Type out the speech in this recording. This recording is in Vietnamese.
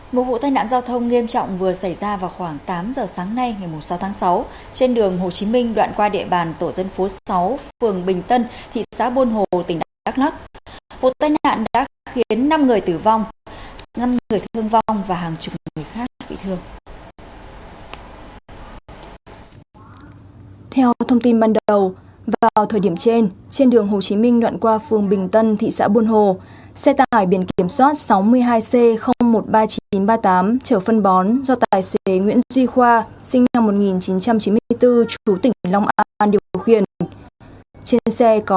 một vụ tai nạn giao thông nghiêm trọng vừa xảy ra vào khoảng tám giờ sáng nay ngày sáu tháng sáu trên đường hồ chí minh đoạn qua địa bàn tổ dân phố sáu phường bình tân thị xã bôn hồ tỉnh đắk lắk